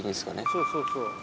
そうそうそう。